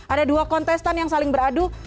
ada dua kontestan yang saling beradu